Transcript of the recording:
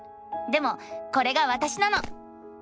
でもこれがわたしなの！